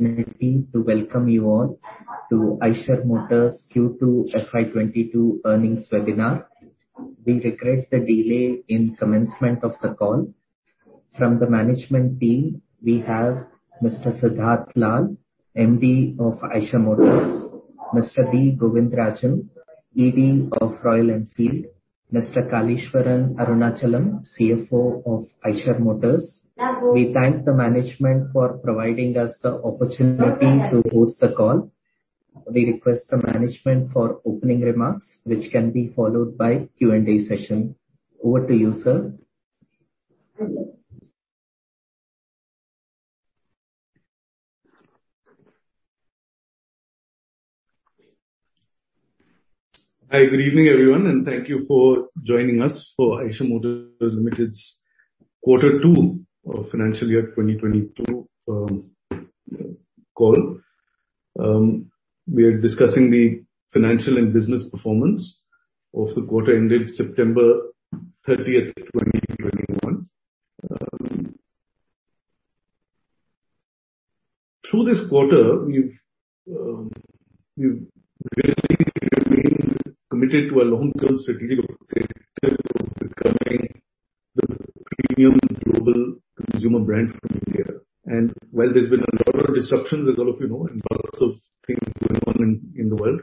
Welcome you all to Eicher Motors Q2 FY 2022 Earnings Webinar. We regret the delay in commencement of the call. From the management team, we have Mr. Siddhartha Lal, MD of Eicher Motors. Mr. B. Govindarajan, ED of Royal Enfield. Mr. Kaleeswaran Arunachalam, CFO of Eicher Motors. We thank the management for providing us the opportunity to host the call. We request the management for opening remarks, which can be followed by Q&A session. Over to you, sir. Hi, good evening, everyone, and thank you for joining us for Eicher Motors Limited's Quarter Two, Financial Year 2022 call. We are discussing the financial and business performance of the quarter ending September 30th, 2021. Through this quarter, we've really remained committed to our long-term strategic objective of becoming the premium global consumer brand from India. While there's been a lot of disruptions, as all of you know, and lots of things going on in the world,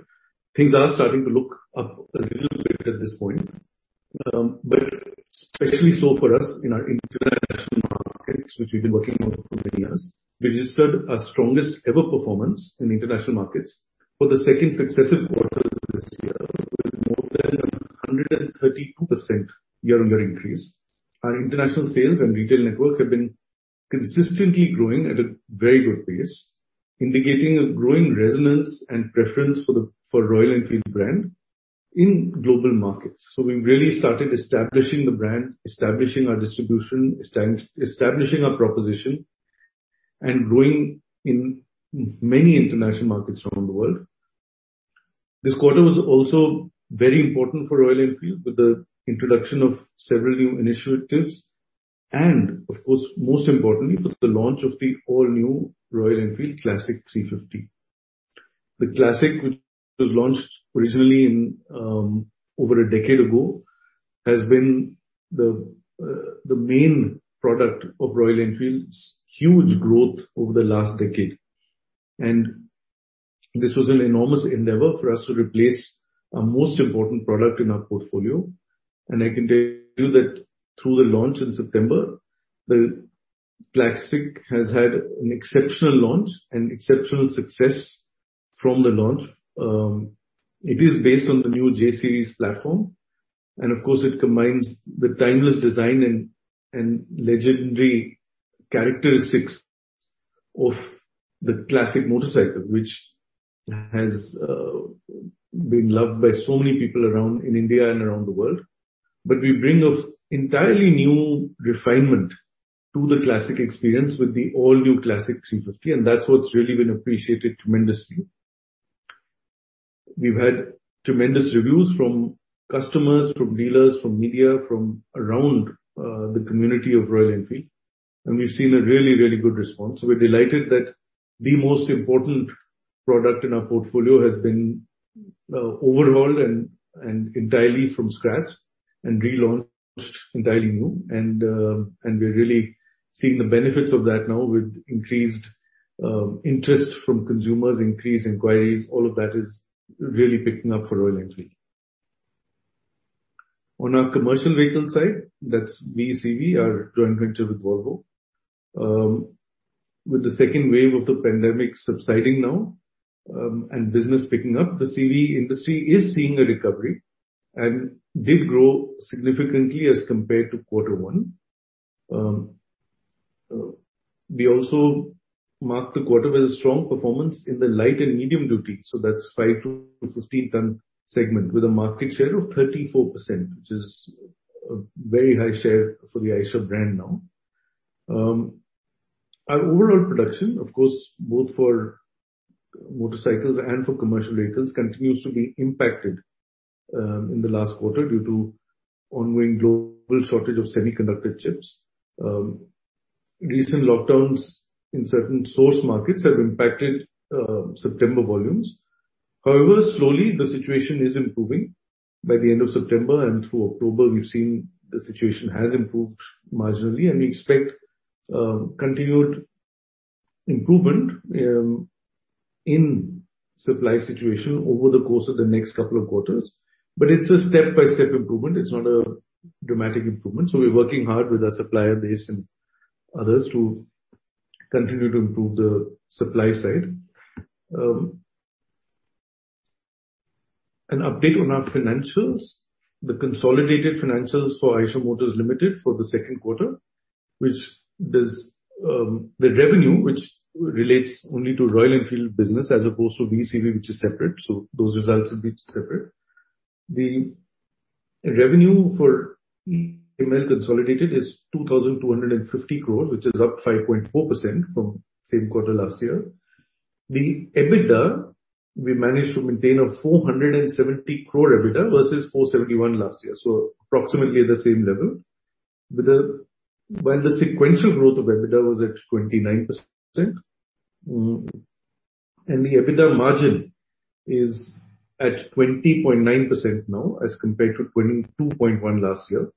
things are starting to look up a little bit at this point. Especially so for us in our international markets, which we've been working on for many years. We registered our strongest ever performance in international markets for the second successive quarter this year, with more than 132% year-over-year increase. Our international sales and retail network have been consistently growing at a very good pace, indicating a growing resonance and preference for the Royal Enfield brand in global markets. We've really started establishing the brand, establishing our distribution, establishing our proposition, and growing in many international markets around the world. This quarter was also very important for Royal Enfield with the introduction of several new initiatives and, of course, most importantly, with the launch of the all-new Royal Enfield Classic 350. The Classic, which was launched originally in over a decade ago, has been the main product of Royal Enfield's huge growth over the last decade. This was an enormous endeavor for us to replace our most important product in our portfolio. I can tell you that through the launch in September, the Classic has had an exceptional launch and exceptional success from the launch. It is based on the new J-Series platform. Of course, it combines the timeless design and legendary characteristics of the classic motorcycle, which has been loved by so many people around, in India and around the world. We bring an entirely new refinement to the Classic experience with the all-new Classic 350, and that's what's really been appreciated tremendously. We've had tremendous reviews from customers, from dealers, from media, from around the community of Royal Enfield. We've seen a really good response. We're delighted that the most important product in our portfolio has been overhauled and entirely from scratch and relaunched entirely new. We're really seeing the benefits of that now with increased interest from consumers, increased inquiries. All of that is really picking up for Royal Enfield. On our commercial vehicle side, that's VECV, our joint venture with Volvo. With the second wave of the pandemic subsiding now, and business picking up, the CV industry is seeing a recovery and did grow significantly as compared to quarter one. We also marked the quarter with a strong performance in the light and medium duty, so that's 5-15 ton segment, with a market share of 34%, which is a very high share for the Eicher brand now. Our overall production, of course, both for motorcycles and for commercial vehicles, continues to be impacted in the last quarter due to ongoing global shortage of semiconductor chips. Recent lockdowns in certain source markets have impacted September volumes. However, slowly the situation is improving. By the end of September and through October, we've seen the situation has improved marginally, and we expect continued improvement in supply situation over the course of the next couple of quarters. It's a step-by-step improvement. It's not a dramatic improvement. We're working hard with our supplier base and others to continue to improve the supply side. An update on our financials. The consolidated financials for Eicher Motors Limited for the second quarter, the revenue which relates only to Royal Enfield business as opposed to VECV, which is separate. Those results will be separate. The revenue for EML consolidated is 2,250 crore, which is up 5.4% from same quarter last year. The EBITDA, we managed to maintain an 470 crore EBITDA versus 471 crore last year, so approximately the same level. While the sequential growth of EBITDA was at 29%, the EBITDA margin is at 20.9% now as compared to 22.1% last year.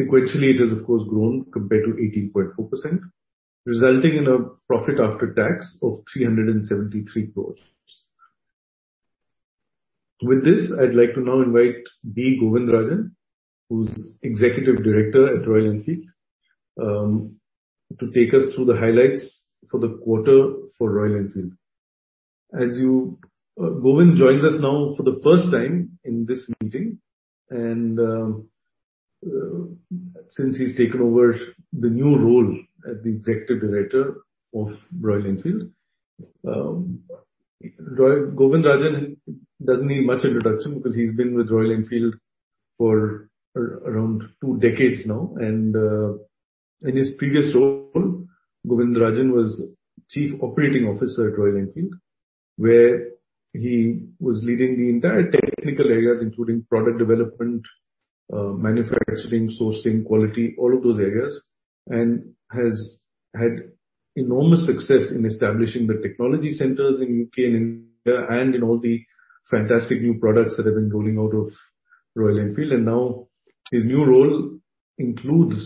Sequentially, it has of course grown compared to 18.4%, resulting in a profit after tax of 373 crore. With this, I'd like to now invite B. Govindarajan, who's Executive Director at Royal Enfield, to take us through the highlights for the quarter for Royal Enfield. Govind joins us now for the first time in this meeting and since he's taken over the new role as the Executive Director of Royal Enfield. Govindarajan doesn't need much introduction because he's been with Royal Enfield for around two decades now, and in his previous role, Govindarajan was Chief Operating Officer at Royal Enfield, where he was leading the entire technical areas including product development, manufacturing, sourcing, quality, all of those areas, and has had enormous success in establishing the technology centers in U.K. and India, and in all the fantastic new products that have been rolling out of Royal Enfield. Now his new role includes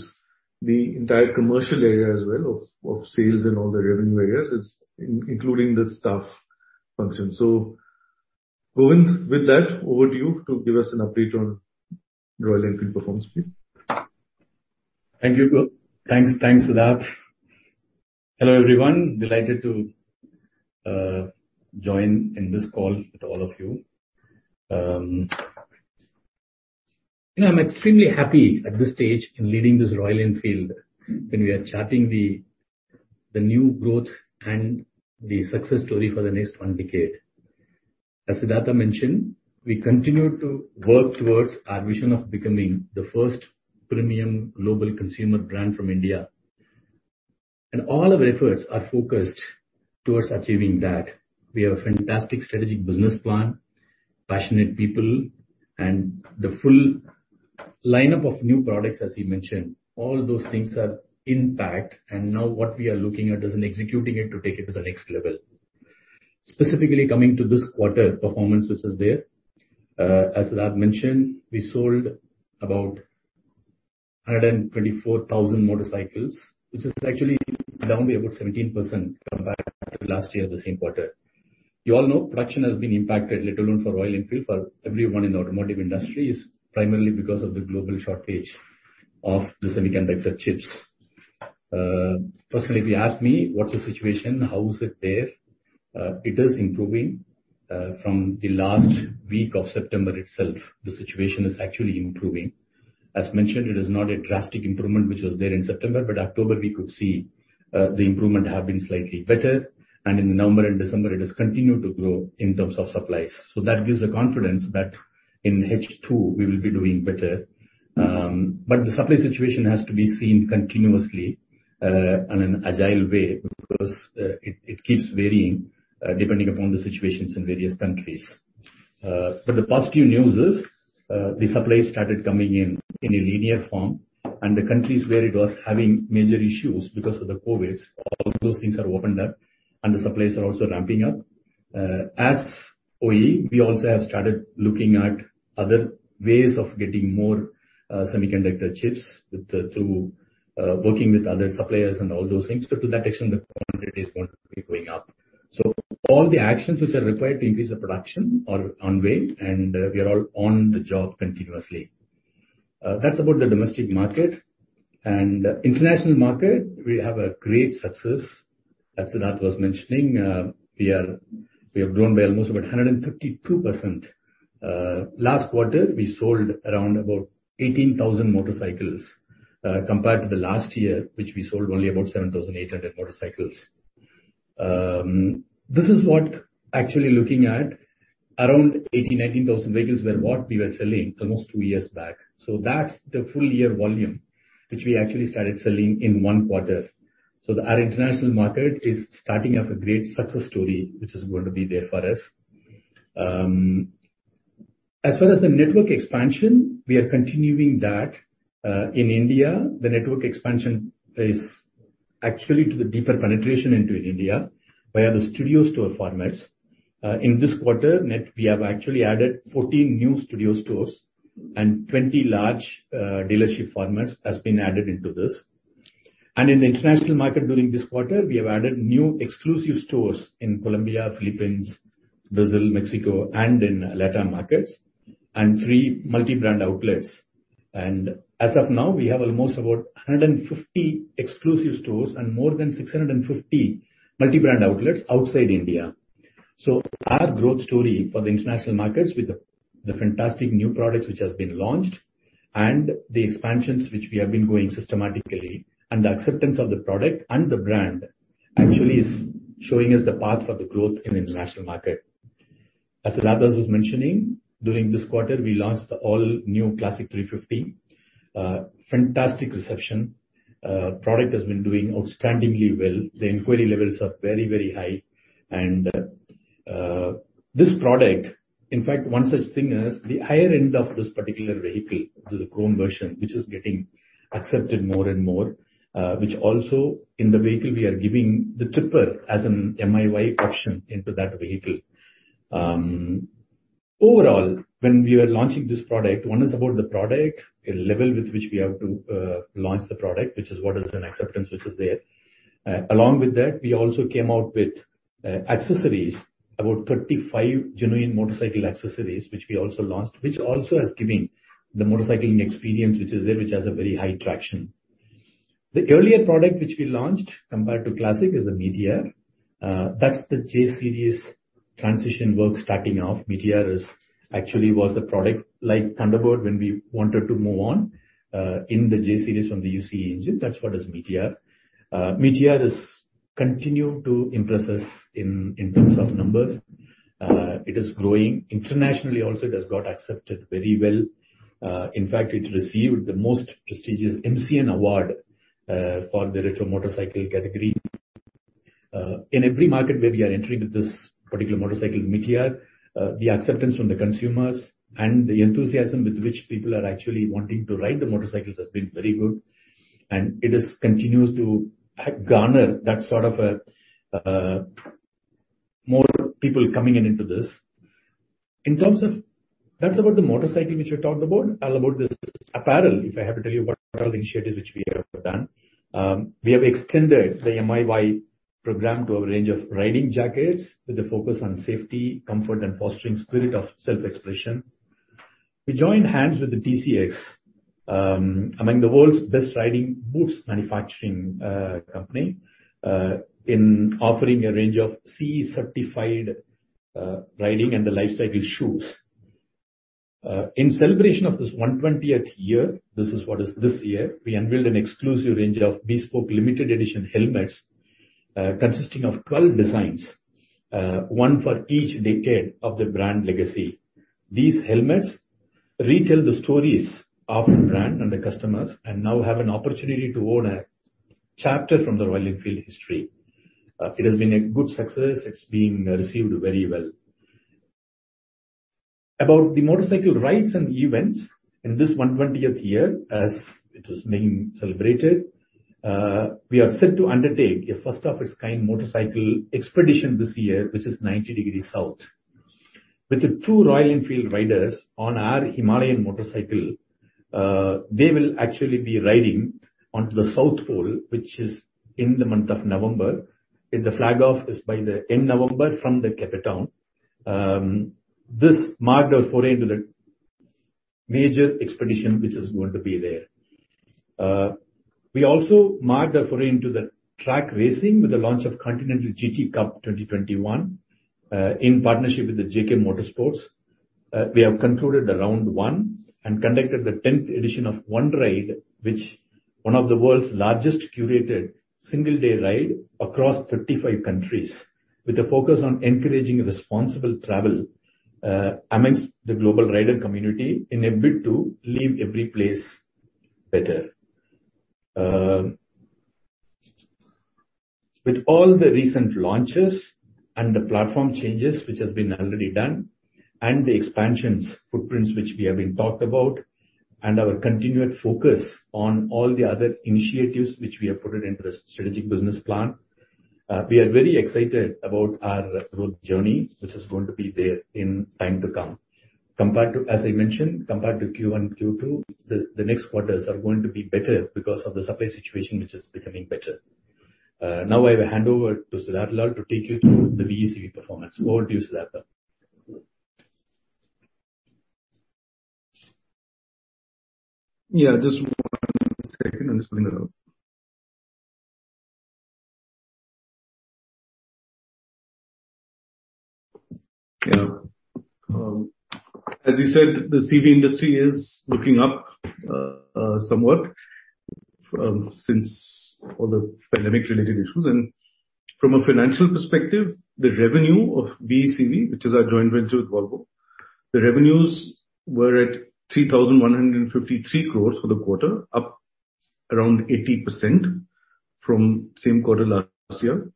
the entire commercial area as well of sales and all the revenue areas, it's including the staff function. Govindarajan, with that, over to you to give us an update on Royal Enfield performance, please. Thank you. Thanks, Siddhartha. Hello, everyone. Delighted to join in this call with all of you. I'm extremely happy at this stage in leading this Royal Enfield when we are charting the new growth and the success story for the next one decade. As Siddhartha mentioned, we continue to work towards our vision of becoming the first premium global consumer brand from India. All our efforts are focused towards achieving that. We have a fantastic strategic business plan, passionate people, and the full lineup of new products, as he mentioned. All those things are intact, and now what we are looking at is in executing it to take it to the next level. Specifically coming to this quarter performance which is there, as Siddhartha mentioned, we sold about 124,000 motorcycles, which is actually down by about 17% compared to last year, the same quarter. You all know production has been impacted, let alone for Royal Enfield, for everyone in the automotive industry, is primarily because of the global shortage of the semiconductor chips. Personally, if you ask me, what's the situation? How is it there? It is improving. From the last week of September itself, the situation is actually improving. As mentioned, it is not a drastic improvement, which was there in September, but October we could see, the improvement have been slightly better. In November and December it has continued to grow in terms of supplies. That gives the confidence that in H2 we will be doing better. The supply situation has to be seen continuously on an agile way because it keeps varying depending upon the situations in various countries. The positive news is the supply started coming in in a linear form and the countries where it was having major issues because of the COVID, all those things have opened up and the supplies are also ramping up. As OE, we also have started looking at other ways of getting more semiconductor chips through working with other suppliers and all those things. To that extent, the quantity is going to be going up. All the actions which are required to increase the production are on way and we are all on the job continuously. That's about the domestic market. International market, we have a great success. As Siddhartha was mentioning, we have grown by almost about 152%. Last quarter, we sold around about 18,000 motorcycles, compared to the last year, which we sold only about 7,800 motorcycles. This is what actually looking at around 89,000 vehicles were what we were selling almost two years back. That's the full year volume, which we actually started selling in one quarter. Our international market is shaping up a great success story, which is going to be there for us. As far as the network expansion, we are continuing that. In India, the network expansion is actually to the deeper penetration into India by the studio store formats. In this quarter, net, we have actually added 14 new studio stores and 20 large dealership formats has been added into this. In the international market during this quarter, we have added new exclusive stores in Colombia, Philippines, Brazil, Mexico and in Latin markets, and three multi-brand outlets. As of now, we have almost about 150 exclusive stores and more than 650 multi-brand outlets outside India. Our growth story for the international markets with the fantastic new products which has been launched and the expansions which we have been growing systematically, and the acceptance of the product and the brand actually is showing us the path for the growth in international market. As Siddhartha was mentioning, during this quarter, we launched the all new Classic 350. Fantastic reception. Product has been doing outstandingly well. The inquiry levels are very, very high. This product, in fact, one such thing is the higher end of this particular vehicle to the Chrome version, which is getting accepted more and more, which also in the vehicle, we are giving the Tripper as an MiY option into that vehicle. Overall, when we are launching this product, one is about the product, a level with which we have to launch the product, which is what is an acceptance which is there. Along with that, we also came out with accessories. About 35 Genuine Motorcycle Accessories, which we also launched, which also has given the motorcycling experience, which is there, which has a very high traction. The earlier product which we launched compared to Classic is the Meteor. That's the J-Series transition work starting off. Meteor is actually a product like Thunderbird when we wanted to move on in the J-Series from the UCE engine. That's what Meteor is. Meteor has continued to impress us in terms of numbers. It is growing. Internationally also it has got accepted very well. In fact, it received the most prestigious MCN Awards for the retro motorcycle category. In every market where we are entering with this particular motorcycle, Meteor, the acceptance from the consumers and the enthusiasm with which people are actually wanting to ride the motorcycles has been very good. It continues to garner that sort of a more people coming in into this. That's about the motorcycle which we talked about. Now about this apparel, if I have to tell you what apparel initiative which we have done. We have extended the MiY program to a range of riding jackets with a focus on safety, comfort, and fostering spirit of self-expression. We joined hands with the TCX, among the world's best riding boots manufacturing company, in offering a range of CE certified riding and lifestyle shoes. In celebration of this 120th year, we unveiled an exclusive range of bespoke limited edition helmets, consisting of 12 designs, one for each decade of the brand legacy. These helmets retell the stories of the brand and the customers, and customers now have an opportunity to own a chapter from the Royal Enfield history. It has been a good success. It's being received very well. About the motorcycle rides and events in this 120th year, as it was being celebrated, we are set to undertake a first of its kind motorcycle expedition this year, which is 90° South. With the two Royal Enfield riders on our Himalayan motorcycle, they will actually be riding onto the South Pole, which is in the month of November. The flag off is by the end of November from Cape Town. This marked our foray into the major expedition which is going to be there. We also marked our foray into the track racing with the launch of Continental GT Cup 2021, in partnership with the JK Tyre Motorsport. We have concluded round one and conducted the 10th edition of One Ride, which is one of the world's largest curated single-day ride across 35 countries with a focus on encouraging responsible travel amongst the global rider community in a bid to leave every place better. With all the recent launches and the platform changes which has been already done, and the expansions footprints which we have been talked about, and our continued focus on all the other initiatives which we have put it into the strategic business plan, we are very excited about our growth journey, which is going to be there in time to come. Compared to Q1, Q2, the next quarters are going to be better because of the supply situation which is becoming better. Now I will hand over to Siddhartha Lal to take you through the VECV performance. Over to you, Siddhartha. Just one second. I'm just bringing it up. As you said, the CV industry is looking up somewhat since all the pandemic related issues. From a financial perspective, the revenue of VECV, which is our joint venture with Volvo, the revenues were at 3,153 crores for the quarter, up around 80% from same quarter last year.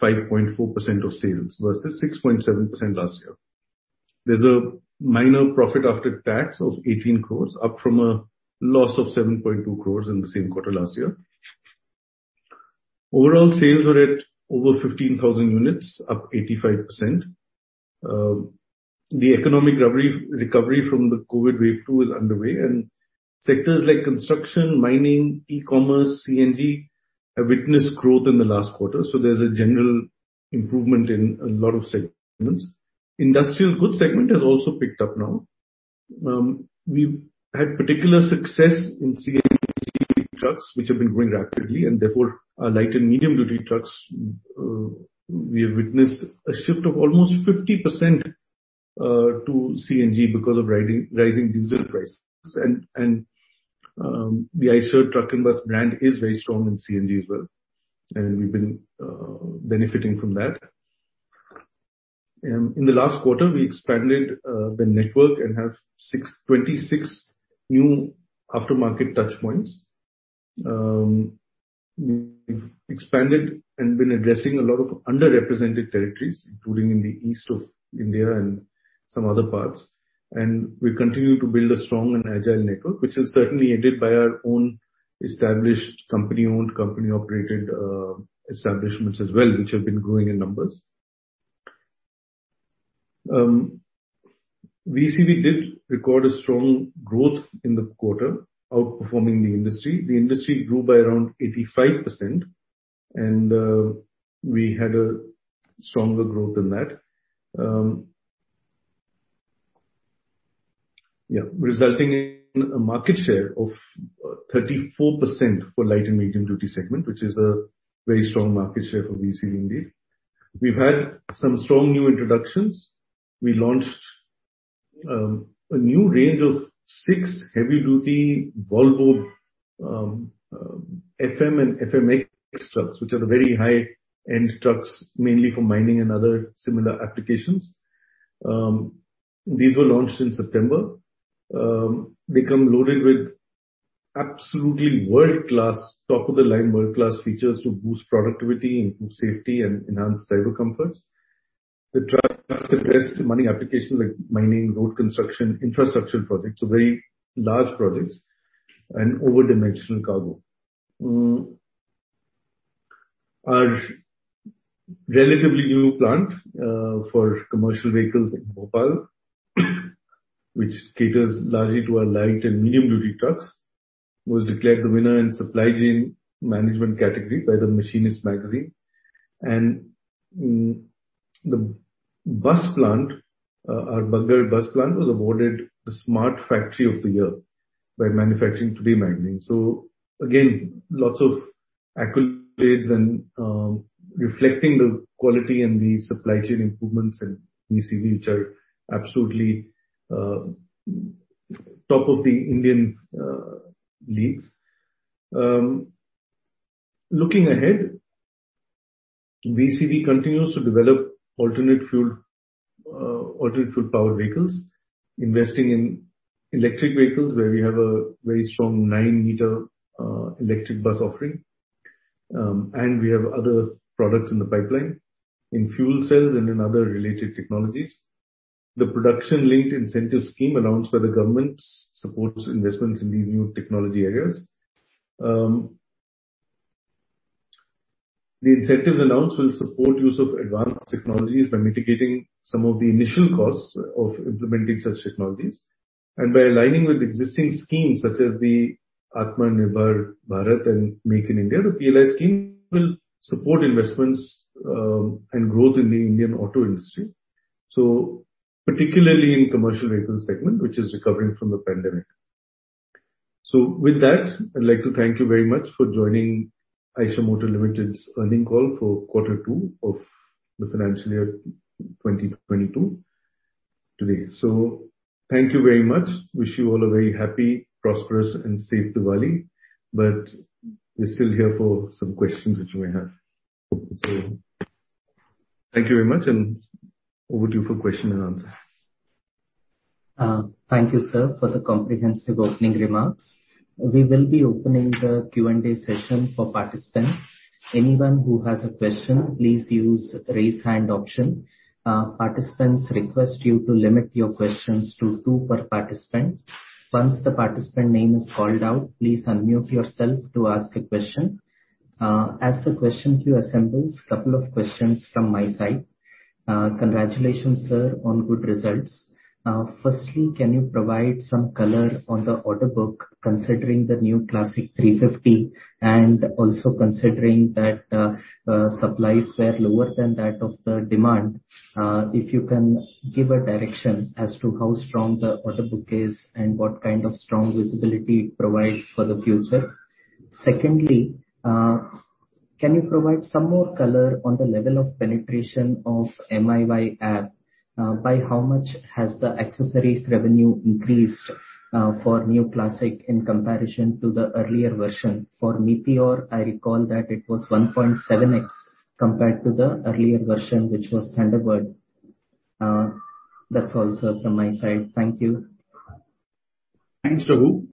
EBITDA was at INR 170 crores, up 44%. EBITDA margin at 5.4% of sales versus 6.7% last year. There's a minor profit after tax of 18 crores up from a loss of 7.2 crores in the same quarter last year. Overall sales were at over 15,000 units, up 85%. The economic recovery from the COVID wave two is underway and sectors like construction, mining, e-commerce, CNG have witnessed growth in the last quarter. There's a general improvement in a lot of segments. Industrial goods segment has also picked up now. We've had particular success in CNG trucks which have been growing rapidly and therefore our light and medium duty trucks, we have witnessed a shift of almost 50% to CNG because of rising diesel prices. The Eicher truck and bus brand is very strong in CNG as well. We've been benefiting from that. In the last quarter, we expanded the network and have 26 new aftermarket touchpoints. We've expanded and been addressing a lot of underrepresented territories, including in the east of India and some other parts. We continue to build a strong and agile network, which is certainly aided by our own established company-owned, company-operated establishments as well, which have been growing in numbers. VECV did record a strong growth in the quarter, outperforming the industry. The industry grew by around 85% and we had a stronger growth than that, resulting in a market share of 34% for light and medium duty segment, which is a very strong market share for VECV indeed. We've had some strong new introductions. We launched a new range of six heavy-duty Volvo FM and FMX trucks, which are the very high-end trucks, mainly for mining and other similar applications. These were launched in September. They come loaded with absolutely world-class, top of the line world-class features to boost productivity, improve safety, and enhance driver comfort. The trucks address many applications like mining, road construction, infrastructure projects, so very large projects and over-dimensional cargo. Our relatively new plant for commercial vehicles in Bhopal which caters largely to our light and medium-duty trucks was declared the winner in supply chain management category by The Machinist magazine. The bus plant, our Bangalore bus plant was awarded the Smart Factory of the Year by Manufacturing Today magazine. Again, lots of accolades and reflecting the quality and the supply chain improvements in VECV, which are absolutely top of the Indian leagues. Looking ahead, VECV continues to develop alternate fuel powered vehicles, investing in electric vehicles where we have a very strong nine-meter electric bus offering. We have other products in the pipeline in fuel cells and in other related technologies. The production-linked incentive scheme announced by the government supports investments in these new technology areas. The incentives announced will support use of advanced technologies by mitigating some of the initial costs of implementing such technologies. By aligning with existing schemes such as the Atmanirbhar Bharat and Make in India, the PLI scheme will support investments and growth in the Indian auto industry, particularly in commercial vehicle segment, which is recovering from the pandemic. With that, I'd like to thank you very much for joining Eicher Motors Limited's earnings call for quarter 2 of the financial year 2022 today. Thank you very much. Wish you all a very happy, prosperous and safe Diwali. We're still here for some questions that you may have. Thank you very much and over to you for question and answer. Thank you, sir, for the comprehensive opening remarks. We will be opening the Q&A session for participants. Anyone who has a question, please use raise hand option. Participants request you to limit your questions to two per participant. Once the participant name is called out, please unmute yourself to ask a question. As the question queue assembles, couple of questions from my side. Congratulations, sir, on good results. Firstly, can you provide some color on the order book considering the new Classic 350 and also considering that, supplies were lower than that of the demand? If you can give a direction as to how strong the order book is and what kind of strong visibility it provides for the future. Secondly, can you provide some more color on the level of penetration of MiY app? By how much has the accessories revenue increased for new Classic in comparison to the earlier version? For Meteor, I recall that it was 1.7x compared to the earlier version, which was Thunderbird. That's all, sir, from my side. Thank you. Thanks, Raghunandhan.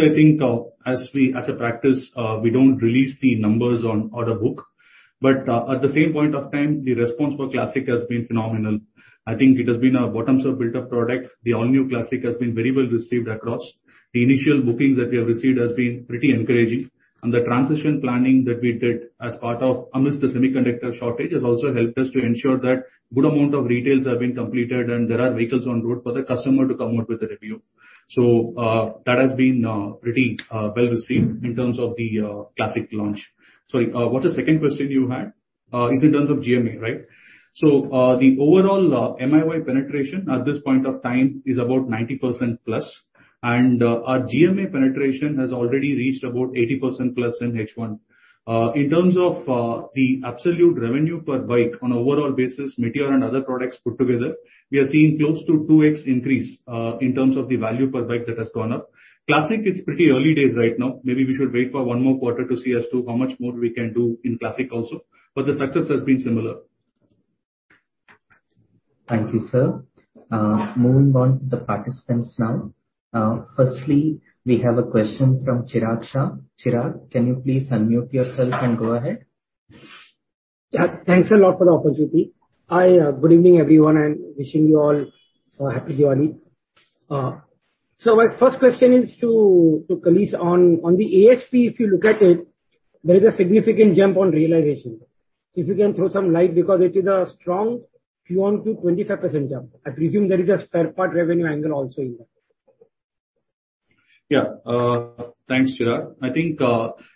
I think, as a practice, we don't release the numbers on order book. At the same point of time, the response for Classic has been phenomenal. I think it has been a bottom-up built-up product. The all-new Classic has been very well received across. The initial bookings that we have received has been pretty encouraging. The transition planning that we did as part of amidst the semiconductor shortage has also helped us to ensure that good amount of retails have been completed and there are vehicles on road for the customer to come out with the review. That has been pretty well received in terms of the Classic launch. Sorry, what's the second question you had? It's in terms of GMA, right? The overall MiY penetration at this point of time is about 90%+. Our GMA penetration has already reached about 80%+ in H1. In terms of the absolute revenue per bike on overall basis, Meteor and other products put together, we are seeing close to 2 x increase in terms of the value per bike that has gone up. Classic, it's pretty early days right now. Maybe we should wait for one more quarter to see as to how much more we can do in Classic also. The success has been similar. Thank you, sir. Moving on to the participants now. Firstly, we have a question from Chirag Shah. Chirag, can you please unmute yourself and go ahead? Thanks a lot for the opportunity. Hi. Good evening, everyone, and wishing you all a Happy Diwali. My first question is to Kaleeswaran. On the ASP, if you look at it, there is a significant jump on realization. If you can throw some light because it is a strong Q on Q 25% jump. I presume there is a spare part revenue angle also in that. Yeah. Thanks, Chirag. I think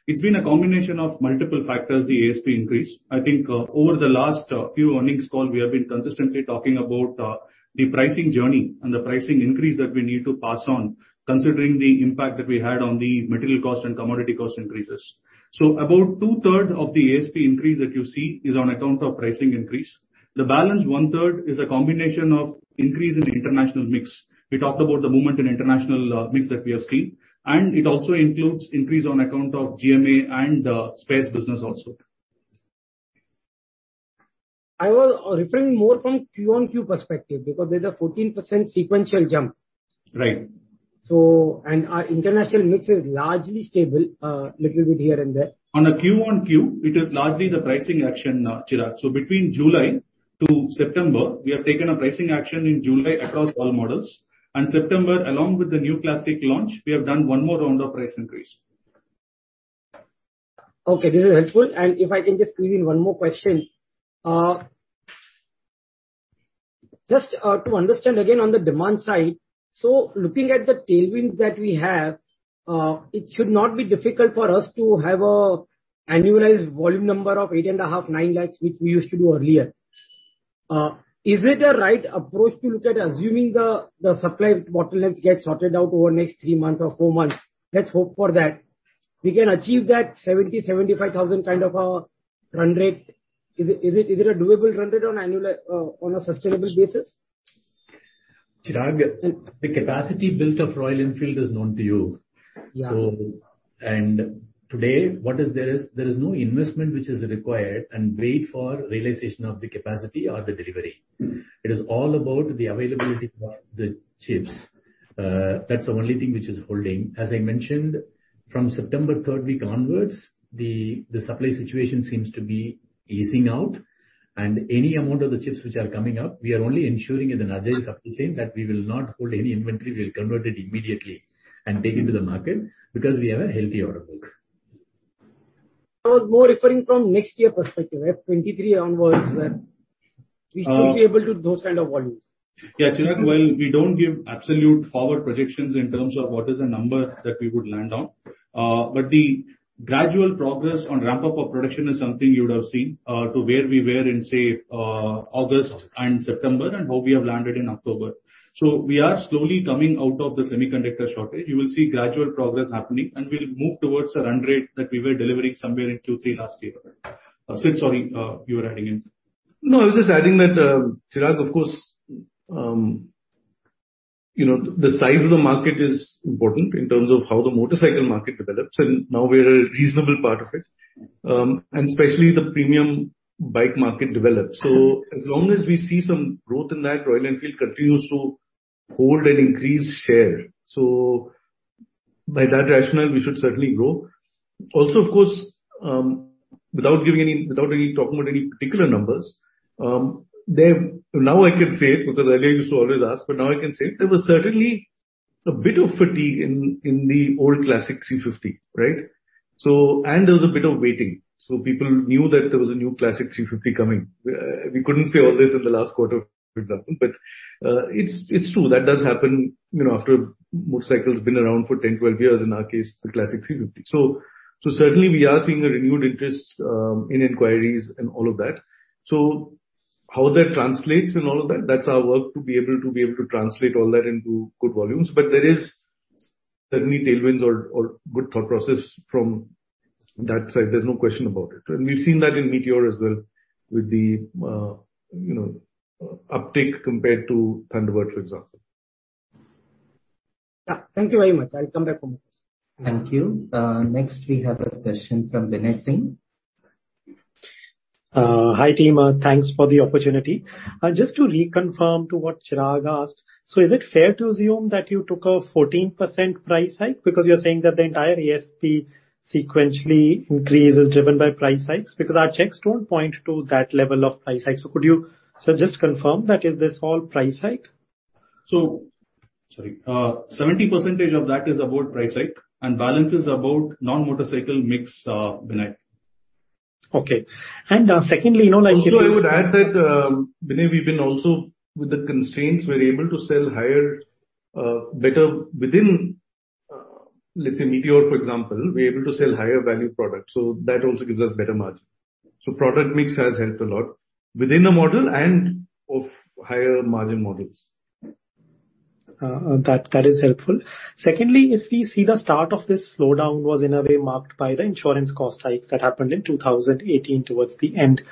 it's been a combination of multiple factors, the ASP increase. I think over the last few earnings call, we have been consistently talking about the pricing journey and the pricing increase that we need to pass on considering the impact that we had on the material cost and commodity cost increases. About 2/3 of the ASP increase that you see is on account of pricing increase. The balance 1/3 is a combination of increase in international mix. We talked about the movement in international mix that we have seen, and it also includes increase on account of GMA and spares business also. I was referring more from Q-on-Q perspective because there's a 14% sequential jump. Right. Our international mix is largely stable, little bit here and there. On a Q-o-Q, it is largely the pricing action, Chirag. Between July to September, we have taken a pricing action in July across all models, and September, along with the new Classic launch, we have done one more round of price increase. Okay, this is helpful. If I can just squeeze in one more question. Just to understand again on the demand side, so looking at the tailwinds that we have, it should not be difficult for us to have an annualized volume number of 8.5 lakhs-9 lakhs, which we used to do earlier. Is it a right approach to look at assuming the supply bottlenecks get sorted out over the next three months or four months? Let's hope for that. We can achieve that 70,000-75,000 kind of a run rate. Is it a doable run rate on annual, on a sustainable basis? Chirag, the capacity built of Royal Enfield is known to you. Yeah. Today what is there is no investment which is required and wait for realization of the capacity or the delivery. It is all about the availability of the chips. That's the only thing which is holding. As I mentioned, from September third week onwards, the supply situation seems to be easing out. Any amount of the chips which are coming up, we are only ensuring in an agile supply chain that we will not hold any inventory. We'll convert it immediately and take it to the market because we have a healthy order book. I was more referring from next year perspective, FY 2023 onwards, where we should be able to do those kind of volumes. Yeah, Chirag, while we don't give absolute forward projections in terms of what is the number that we would land on, but the gradual progress on ramp-up of production is something you would have seen, from where we were in, say, August and September and how we have landed in October. We are slowly coming out of the semiconductor shortage. You will see gradual progress happening, and we'll move towards a run rate that we were delivering somewhere in Q2, Q3 last year. Sid, sorry, you were chiming in. No, I was just adding that, Chirag, of course, you know, the size of the market is important in terms of how the motorcycle market develops, and now we're a reasonable part of it. Especially the premium bike market develops. As long as we see some growth in that, Royal Enfield continues to hold an increased share. By that rationale, we should certainly grow. Also, of course, without talking about any particular numbers, there now I can say it because earlier you used to always ask, but now I can say it. There was certainly a bit of fatigue in the old Classic 350, right? There was a bit of waiting. People knew that there was a new Classic 350 coming. We couldn't say all this in the last quarter, for example. It's true. That does happen, you know, after a motorcycle's been around for 10, 12 years, in our case, the Classic 350. Certainly we are seeing a renewed interest in inquiries and all of that. How that translates and all of that's our work to be able to translate all that into good volumes. There is certainly tailwinds or good thought process from that side. There's no question about it. We've seen that in Meteor as well with the uptick compared to Thunderbird, for example. Yeah. Thank you very much. I'll come back for more questions. Thank you. Next we have a question from Vinay Singh. Hi, team. Thanks for the opportunity. Just to reconfirm to what Chirag asked. Is it fair to assume that you took a 14% price hike? Because you're saying that the entire ASP sequentially increase is driven by price hikes. Because our checks don't point to that level of price hike. Could you, sir, just confirm that is this all price hike? 70% of that is about price hike and balance is about non-motorcycle mix, Vinay. Okay. Secondly, you know, like if you- Also, I would add that, Vinay, we've been also, with the constraints we're able to sell higher, better within, let's say Meteor for example, we're able to sell higher value products, so that also gives us better margin. Product mix has helped a lot within a model and of higher margin models. That is helpful. Secondly, if we see the start of this slowdown was in a way marked by the insurance cost hikes that happened in 2018 towards the end.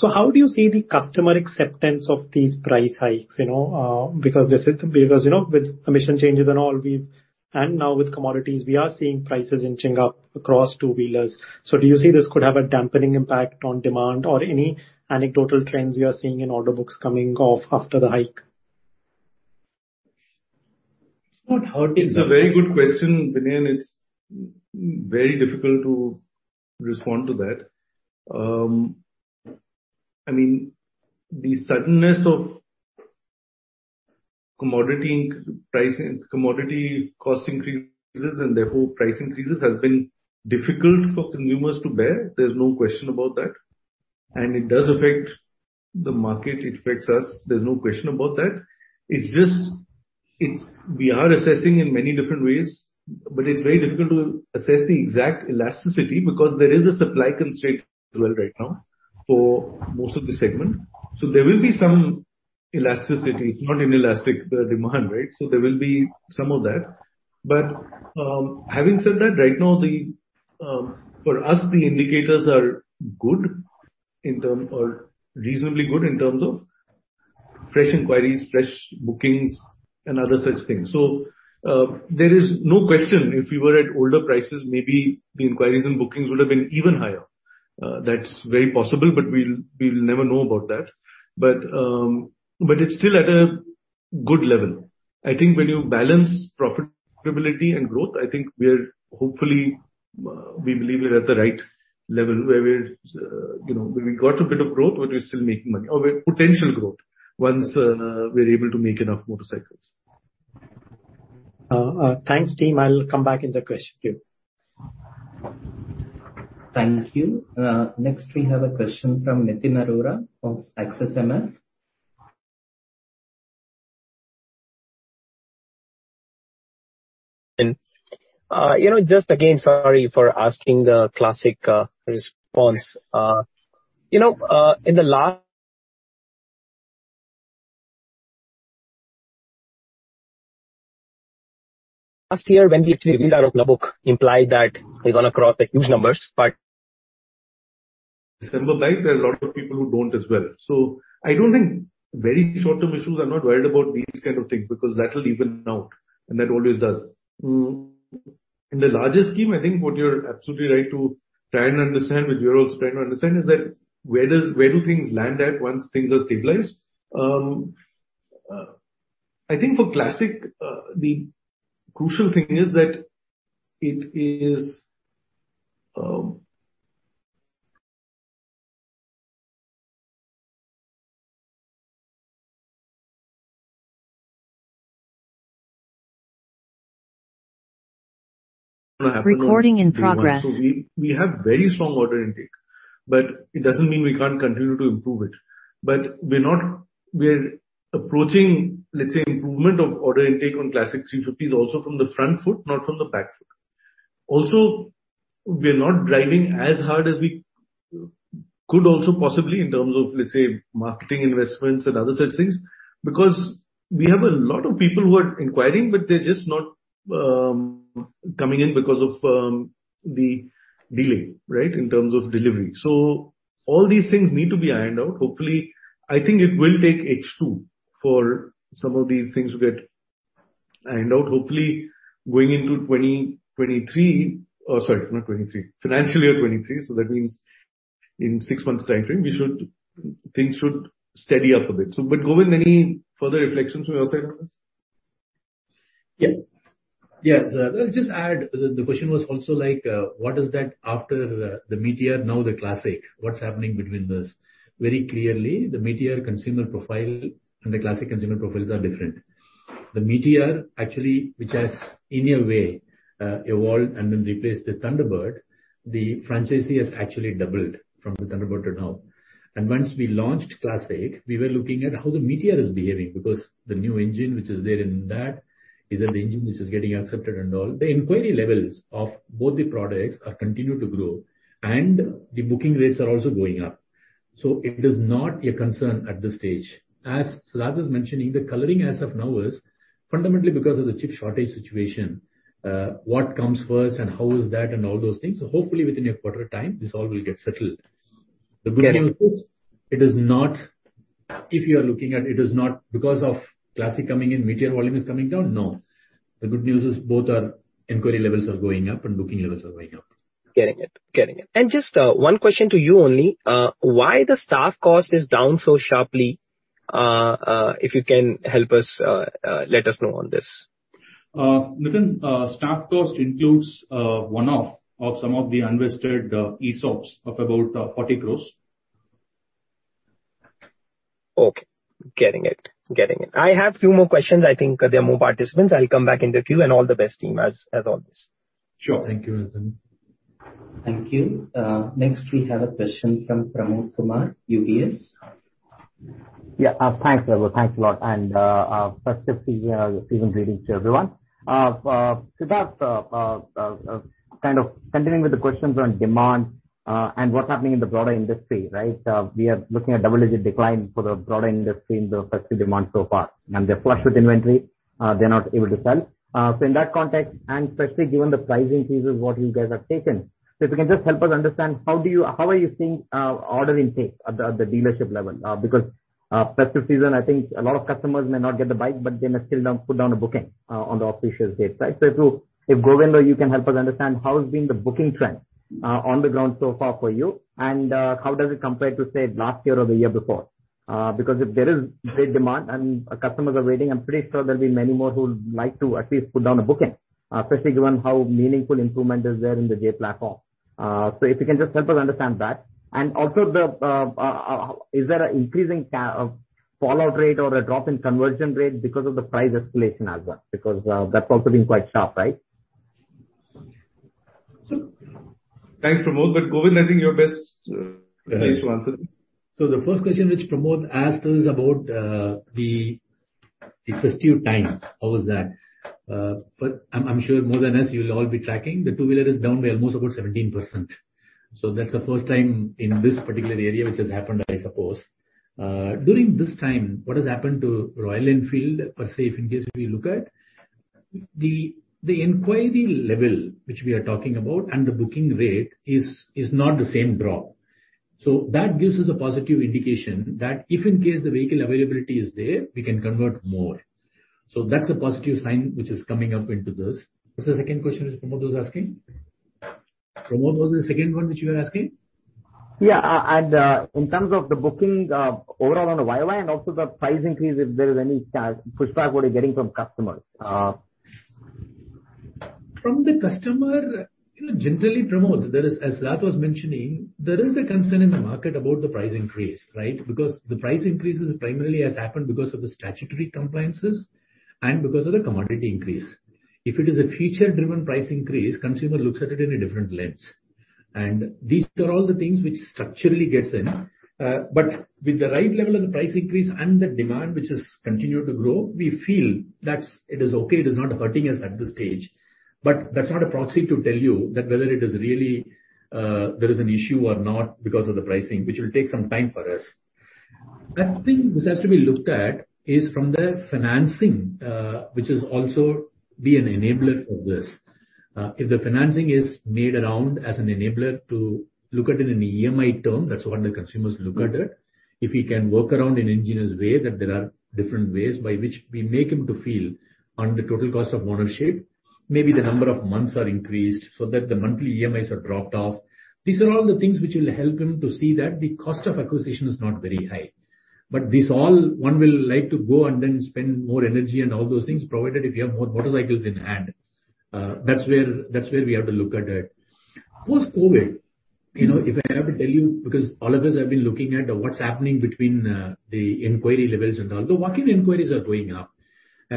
How do you see the customer acceptance of these price hikes? You know, because this is, you know, with emission changes and all, we've and now with commodities, we are seeing prices inching up across two-wheelers. Do you see this could have a dampening impact on demand or any anecdotal trends you are seeing in order books coming off after the hike? It's a very good question, Vinay. It's very difficult to respond to that. I mean, the suddenness of commodity pricing, commodity cost increases and therefore price increases has been difficult for consumers to bear. There's no question about that. It does affect the market, it affects us, there's no question about that. It's just we are assessing in many different ways, but it's very difficult to assess the exact elasticity because there is a supply constraint as well right now for most of the segment. There will be some elasticity, not inelastic, the demand, right? There will be some of that. Having said that, right now for us, the indicators are good in terms or reasonably good in terms of fresh inquiries, fresh bookings and other such things. There is no question if we were at older prices, maybe the inquiries and bookings would have been even higher. That's very possible, but we will never know about that. It's still at a good level. I think when you balance profitability and growth, I think we're hopefully, we believe we're at the right level where we're, you know, we've got a bit of growth, but we're still making money or potential growth once, we're able to make enough motorcycles. Thanks, team. I'll come back in the queue. Thank you. Next we have a question from Nitin Arora of Axis MF. You know, just again, sorry for asking the Classic response. You know, in the last year when we actually read out of the book implied that is gonna cross like huge numbers. December bike, there are a lot of people who don't as well. I don't think very short-term issues. I'm not worried about these kind of things because that'll even out and that always does. In the larger scheme, I think what you're absolutely right to try and understand, what you're also trying to understand is that where do things land once things are stabilized? I think for Classic, the crucial thing is that it is. Recording in progress. We have very strong order intake, but it doesn't mean we can't continue to improve it. We're approaching, let's say, improvement of order intake on Classic 350 is also from the front foot, not from the back foot. Also, we are not driving as hard as we could also possibly in terms of, let's say, marketing investments and other such things, because we have a lot of people who are inquiring, but they're just not coming in because of the delay, right, in terms of delivery. All these things need to be ironed out. Hopefully, I think it will take H2 for some of these things to get ironed out, hopefully going into 2023. Sorry, not 2023, financial year 2023. That means in six months timeframe, we should, things should steady up a bit. Govindarajan, any further reflections from your side on this? Yes. Let's just add, the question was also like, what is that after the Meteor, now the Classic, what's happening between this? Very clearly, the Meteor consumer profile and the Classic consumer profiles are different. The Meteor actually, which has in a way, evolved and then replaced the Thunderbird, the franchisee has actually doubled from the Thunderbird to now. Once we launched Classic, we were looking at how the Meteor is behaving because the new engine which is there in that is an engine which is getting accepted and all. The inquiry levels of both the products are continued to grow and the booking rates are also going up. It is not a concern at this stage. As Siddhartha was mentioning, the coloring as of now is fundamentally because of the chip shortage situation, what comes first and how is that and all those things. Hopefully within a quarter time this all will get settled. The good news is it is not, if you are looking at it, because of Classic coming in, Meteor volume is coming down. No. The good news is both our inquiry levels are going up and booking levels are going up. Getting it. Just one question to you only, why the staff cost is down so sharply? If you can help us, let us know on this. Nitin, staff cost includes one-off of some of the unvested ESOPs of about 40 crore. Okay. Getting it. I have few more questions. I think there are more participants. I'll come back in the queue and all the best team as always. Sure. Thank you, Nitin. Thank you. Next we have a question from Pramod Kumar, UBS. Yeah. Thanks. Thanks a lot. Festive season greetings to everyone. Siddhartha, kind of continuing with the questions on demand, and what's happening in the broader industry, right? We are looking at double-digit decline for the broader industry in the festive demand so far, and they're flushed with inventory, they're not able to sell. In that context, and especially given the price increases what you guys have taken. If you can just help us understand how you are seeing order intake at the dealership level? Because festive season, I think a lot of customers may not get the bike, but they may still put down a booking on the official date, right? If Govindarajan, you can help us understand how the booking trend has been on the ground so far for you? How does it compare to, say, last year or the year before? Because if there is great demand and our customers are waiting, I'm pretty sure there'll be many more who would like to at least put down a booking, especially given how meaningful improvement is there in the J platform. If you can just help us understand that. Also, is there an increasing fallout rate or a drop in conversion rate because of the price escalation as well? Because that's also been quite sharp, right? Thanks, Pramod. Govindarajan, I think you're best placed to answer. The first question which Pramod asked is about the festive time, how was that? But I'm sure more or less you'll all be tracking. The two-wheeler is down by almost about 17%. That's the first time in this particular area which has happened, I suppose. During this time, what has happened to Royal Enfield per se, if in case we look at the inquiry level which we are talking about and the booking rate is not the same drop. That gives us a positive indication that if in case the vehicle availability is there, we can convert more. That's a positive sign which is coming up into this. What's the second question which Pramod was asking? Pramod, what was the second one which you were asking? In terms of the bookings, overall on Y-O-Y, and also the price increase, if there is any pushback that you're getting from customers? From the customer, you know, generally, Pramod, there is, as Siddhartha was mentioning, there is a concern in the market about the price increase, right? Because the price increases primarily has happened because of the statutory compliances and because of the commodity increase. If it is a future driven price increase, consumer looks at it in a different lens. These are all the things which structurally gets in. With the right level of the price increase and the demand which has continued to grow, we feel that's, it is okay. It is not hurting us at this stage. That's not a proxy to tell you that whether it is really, there is an issue or not because of the pricing, which will take some time for us. I think this has to be looked at is from the financing, which is also be an enabler for this. If the financing is made around as an enabler to look at it in an EMI term, that's what the consumers look at it. If we can work around in ingenious way, that there are different ways by which we make them to feel on the total cost of ownership, maybe the number of months are increased so that the monthly EMIs are dropped off. These are all the things which will help them to see that the cost of acquisition is not very high. This all one will like to go and then spend more energy on all those things, provided if you have more motorcycles in hand. That's where we have to look at it. Post-COVID, you know, if I have to tell you, because all of us have been looking at what's happening between the inquiry levels and all. The walk-in inquiries are going up.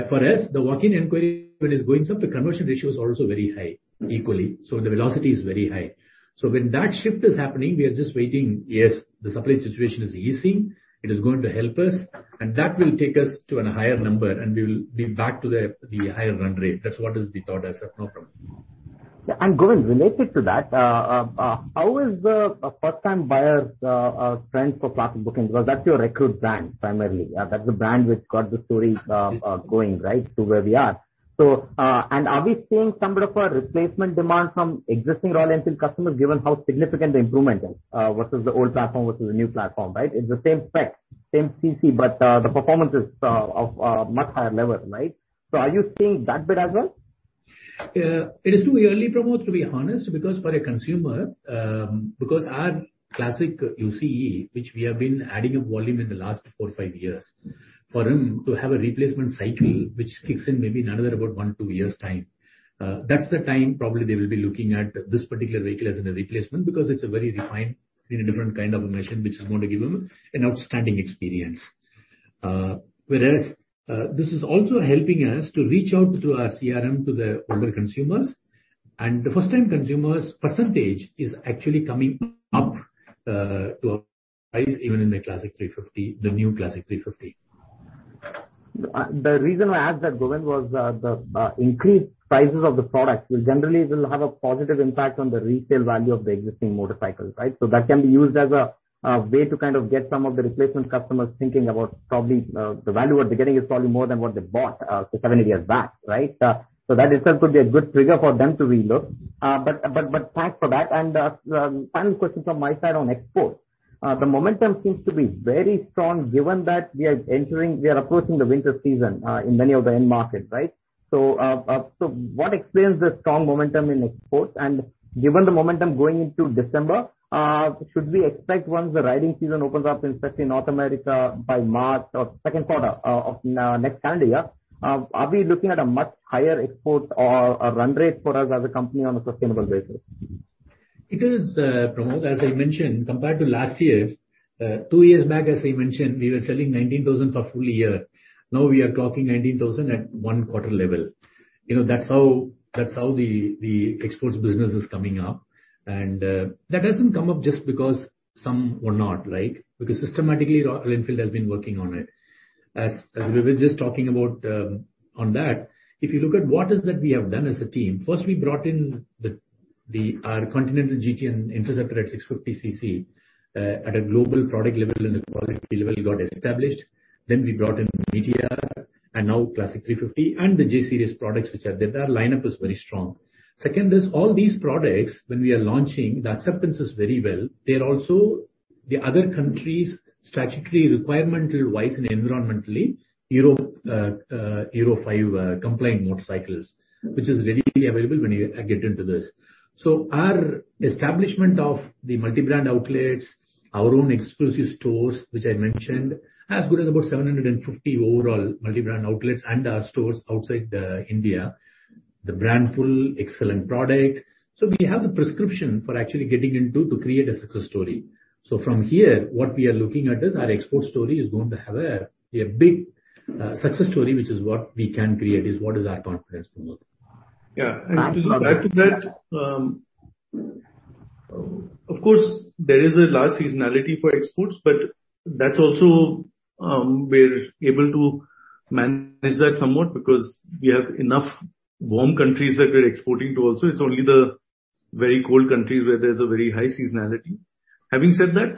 For us, the walk-in inquiry when it's going up, the conversion ratio is also very high equally. The velocity is very high. When that shift is happening, we are just waiting, yes, the supply situation is easing, it is going to help us, and that will take us to an higher number, and we will be back to the higher run rate. That's what is the thought as of now from me. Yeah. Govindarajan, related to that, how is the first time buyers trend for Classic bookings? Because that's your recruit brand primarily. That's the brand which got the story going, right, to where we are. Are we seeing some bit of a replacement demand from existing Royal Enfield customers given how significant the improvement is versus the old platform versus the new platform, right? It's the same spec, same cc, but the performance is of a much higher level, right? Are you seeing that bit as well? It is too early, Pramod, to be honest, because for a consumer, our Classic UCE, which we have been adding up volume in the last four, five years, for him to have a replacement cycle which kicks in maybe in another about one, two years' time, that's the time probably they will be looking at this particular vehicle as in a replacement. Because it's a very refined in a different kind of a machine which is going to give him an outstanding experience. Whereas, this is also helping us to reach out to our CRM to the older consumers. The first time consumers percentage is actually coming up, to a rise even in the Classic 350, the new Classic 350. The reason I asked that, Govindarajan, was the increased prices of the product will generally have a positive impact on the resale value of the existing motorcycles, right? That can be used as a way to kind of get some of the replacement customers thinking about probably the value what they're getting is probably more than what they bought, say, seven to eight years back, right? That itself could be a good trigger for them to re-look. But thanks for that. Final question from my side on export. The momentum seems to be very strong given that we are approaching the winter season in many of the end markets, right? What explains the strong momentum in exports? Given the momentum going into December, should we expect once the riding season opens up, especially in North America by March or second quarter of next calendar year, are we looking at a much higher export or a run rate for us as a company on a sustainable basis? It is, Pramod, as I mentioned, compared to last year, two years back, as I mentioned, we were selling 19,000 for full year. Now we are talking 19,000 at one quarter level. You know, that's how the exports business is coming up. That hasn't come up just because some were not, right? Because systematically Royal Enfield has been working on it. As we were just talking about, on that, if you look at what is that we have done as a team, first we brought in our Continental GT and Interceptor at 650 cc, at a global product level and the quality level it got established. Then we brought in Meteor and now Classic 350 and the J-Series products which are there. That lineup is very strong. Second is all these products when we are launching, the acceptance is very well. They're also the other countries statutory requirement wise and environmentally Euro 5 compliant motorcycles, which is readily available when you get into this. Our establishment of the multi-brand outlets, our own exclusive stores, which I mentioned, as good as about 750 overall multi-brand outlets and our stores outside India. The brand full excellent product. We have the prescription for actually getting into to create a success story. From here, what we are looking at is our export story is going to have a big success story, which is what we can create, is what is our confidence, Pramod. Yeah. To add to that, of course, there is a large seasonality for exports, but that's also, we're able to manage that somewhat because we have enough warm countries that we're exporting to also. It's only the very cold countries where there's a very high seasonality. Having said that,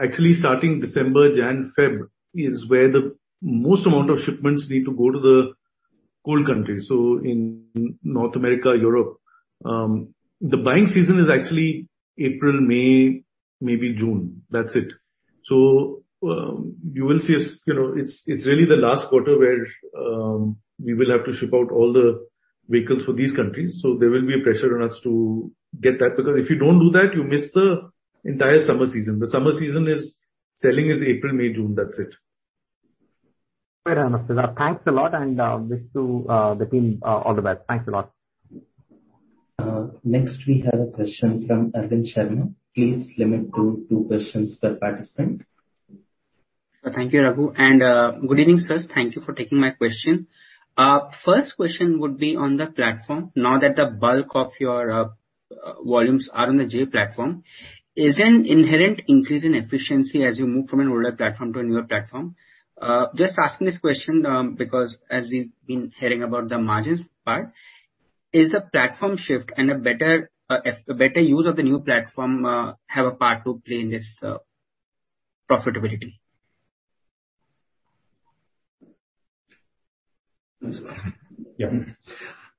actually starting December, January, February is where the most amount of shipments need to go to the cold countries, so in North America, Europe. The buying season is actually April, May, maybe June. That's it. You will see us, you know, it's really the last quarter where we will have to ship out all the vehicles for these countries. So there will be a pressure on us to get that. Because if you don't do that, you miss the entire summer season. The summer season is, selling is April, May, June. That's it. Thanks a lot. I wish the team all the best. Thanks a lot. Next we have a question from Arvind Sharma. Please limit to two questions per participant. Thank you, Raghunandhan. Good evening, sirs. Thank you for taking my question. First question would be on the platform. Now that the bulk of your volumes are on the J platform, is an inherent increase in efficiency as you move from an older platform to a newer platform? Just asking this question, because as we've been hearing about the margins part, is the platform shift and a better use of the new platform have a part to play in this profitability? Yeah.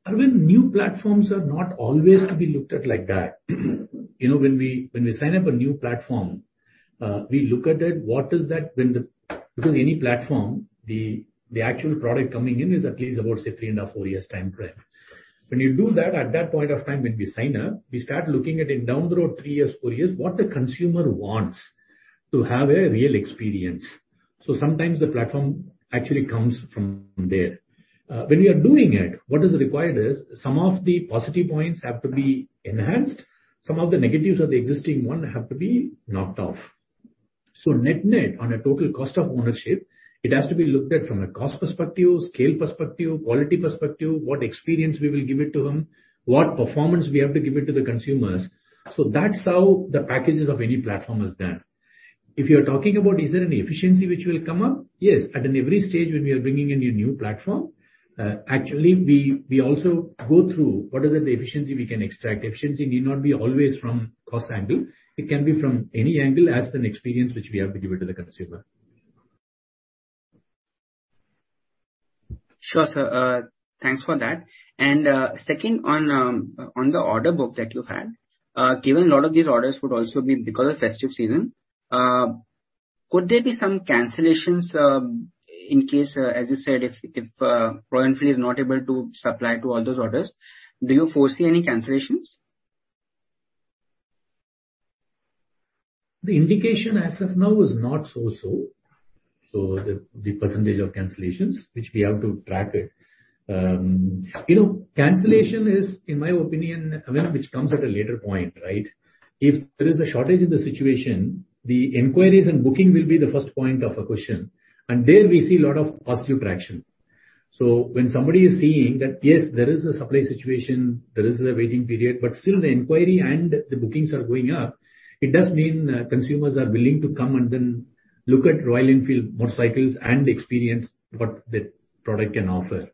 Arvind, new platforms are not always to be looked at like that. You know, when we sign up a new platform, we look at it. Because any platform, the actual product coming in is at least about, say, three and half to four years timeframe. When you do that, at that point of time when we sign up, we start looking at it down the road, three years, four years, what the consumer wants to have a real experience. So sometimes the platform actually comes from there. When we are doing it, what is required is some of the positive points have to be enhanced, some of the negatives of the existing one have to be knocked off. Net-net, on a total cost of ownership, it has to be looked at from a cost perspective, scale perspective, quality perspective, what experience we will give it to them, what performance we have to give it to the consumers. That's how the packages of any platform is done. If you're talking about is there any efficiency which will come up? Yes. At every stage when we are bringing in a new platform, actually we also go through what is the efficiency we can extract. Efficiency need not be always from cost angle, it can be from any angle as an experience which we have to give it to the consumer. Sure, sir. Thanks for that. Second on the order book that you have, given a lot of these orders would also be because of festive season, could there be some cancellations? In case, as you said, if Royal Enfield is not able to supply to all those orders, do you foresee any cancellations? The indication as of now is not so-so. The percentage of cancellations, which we have to track it. You know, cancellation is, in my opinion, I mean, which comes at a later point, right? If there is a shortage in the situation, the inquiries and booking will be the first point of a question. There we see a lot of positive traction. When somebody is seeing that, yes, there is a supply situation, there is a waiting period, but still the inquiry and the bookings are going up, it does mean consumers are willing to come and then look at Royal Enfield motorcycles and experience what the product can offer.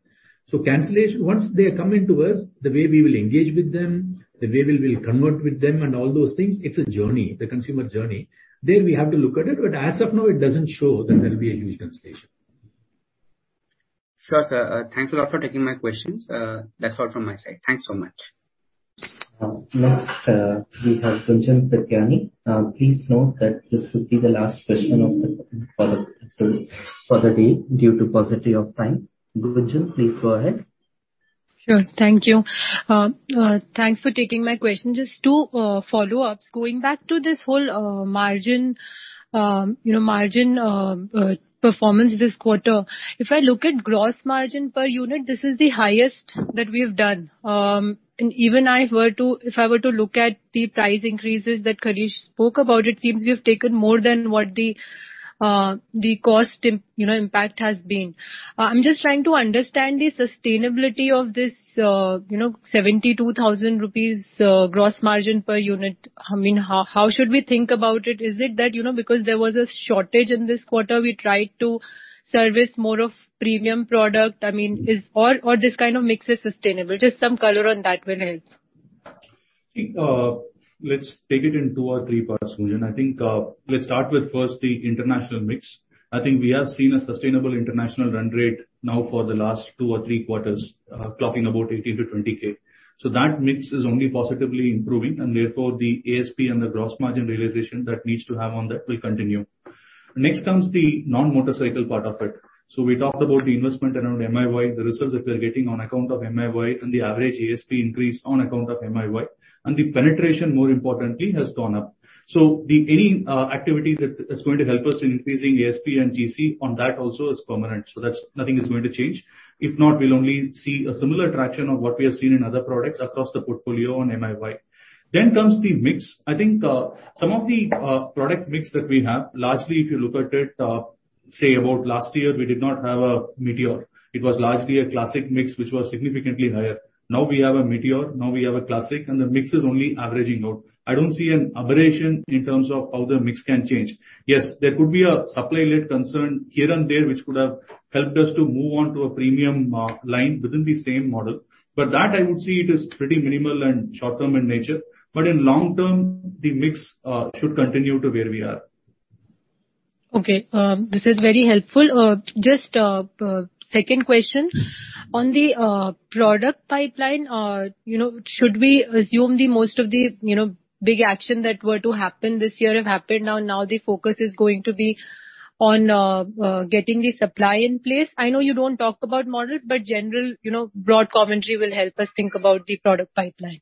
Cancellation, once they are coming to us, the way we will engage with them, the way we will convert with them and all those things, it's a journey, the consumer journey. There we have to look at it, but as of now it doesn't show that there will be a huge cancellation. Sure, sir. Thanks a lot for taking my questions. That's all from my side. Thanks so much. Next, we have Gunjan Prithyani. Please note that this will be the last question for the day due to paucity of time. Gunjan, please go ahead. Sure. Thank you. Thanks for taking my question. Just two follow-ups. Going back to this whole margin, you know, margin performance this quarter. If I look at gross margin per unit, this is the highest that we have done. And if I were to look at the price increases that Kaleeswaran Arunachalam spoke about, it seems we have taken more than what the cost impact has been. I'm just trying to understand the sustainability of this, you know, 72,000 rupees gross margin per unit. I mean, how should we think about it? Is it that, you know, because there was a shortage in this quarter, we tried to service more of premium product? I mean, is this kind of mix sustainable. Just some color on that will help. I think, let's take it in two or three parts, Gunjan. I think, let's start with first the international mix. I think we have seen a sustainable international run rate now for the last two or three quarters, clocking about 18 K-20 K. That mix is only positively improving and therefore the ASP and the gross margin realization that needs to have on that will continue. Next comes the non-motorcycle part of it. We talked about the investment around MiY, the results that we are getting on account of MiY and the average ASP increase on account of MiY. The penetration, more importantly, has gone up. Any activities that's going to help us in increasing ASP and GC on that also is permanent. Nothing is going to change. If not, we'll only see a similar traction of what we have seen in other products across the portfolio on MiY. Comes the mix. I think, some of the, product mix that we have, largely if you look at it, say about last year, we did not have a Meteor. It was largely a Classic mix, which was significantly higher. Now we have a Meteor, now we have a Classic, and the mix is only averaging out. I don't see an aberration in terms of how the mix can change. Yes, there could be a supply-led concern here and there, which could have helped us to move on to a premium, line within the same model. But that I would say it is pretty minimal and short-term in nature. In long term, the mix should continue to where we are. Okay, this is very helpful. Just, second question. On the product pipeline, you know, should we assume the most of the, you know, big action that were to happen this year have happened now, the focus is going to be on getting the supply in place? I know you don't talk about models, but general, you know, broad commentary will help us think about the product pipeline.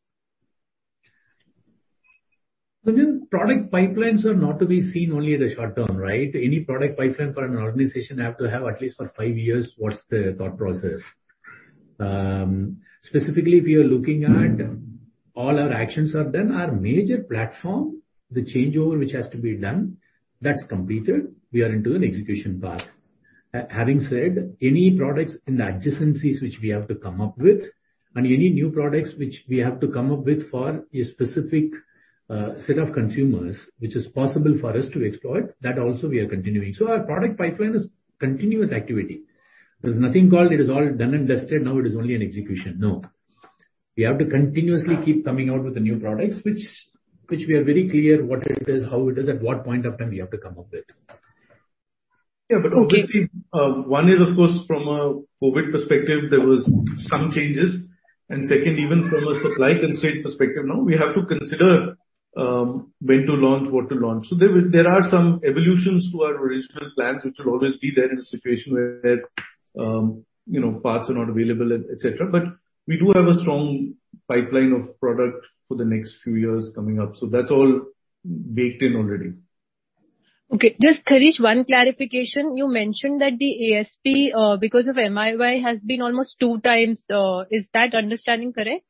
Gunjan Prithyani, product pipelines are not to be seen only in the short term, right? Any product pipeline for an organization have to have at least for five years. What's the thought process? Specifically, if you are looking at all our actions are done, our major platform, the changeover which has to be done, that's completed. We are into an execution path. Having said, any products in the adjacencies which we have to come up with and any new products which we have to come up with for a specific set of consumers, which is possible for us to exploit, that also we are continuing. Our product pipeline is continuous activity. There's nothing called it is all done and dusted, now it is only an execution. No. We have to continuously keep coming out with the new products, which we are very clear what it is, how it is, at what point of time we have to come up with. Yeah. Okay. Obviously, one is of course from a COVID perspective, there was some changes. Second, even from a supply constraint perspective now, we have to consider, when to launch, what to launch. There are some evolutions to our original plans, which will always be there in a situation where, you know, parts are not available, et cetera. We do have a strong pipeline of product for the next few years coming up. That's all baked in already. Okay. Just, Kaleeswaran, one clarification. You mentioned that the ASP, because of MIY has been almost two times. Is that understanding correct?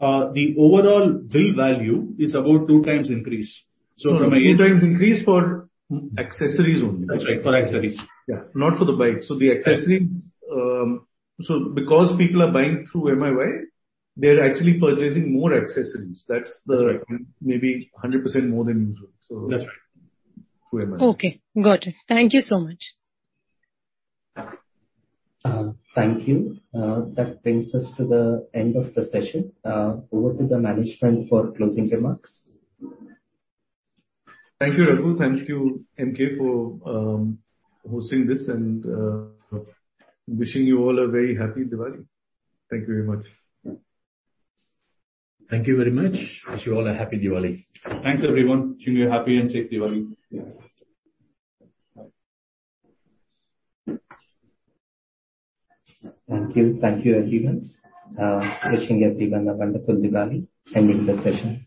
The overall bill value is about two times increase from a- No, two times increase for accessories only. That's right. For accessories. Yeah. Not for the bike. The accessories, because people are buying through MiY, they're actually purchasing more accessories. That's the Right. Maybe 100% more than usual, so. That's right. Through MiY. Okay. Got it. Thank you so much. Thank you. That brings us to the end of the session. Over to the management for closing remarks. Thank you, Raghunandhan. Thank you, Emkay Global, for hosting this and wishing you all a very happy Diwali. Thank you very much. Thank you very much. Wish you all a happy Diwali. Thanks everyone. Wishing you a happy and safe Diwali. Thank you. Thank you everyone. Wishing everyone a wonderful Diwali. Ending the session.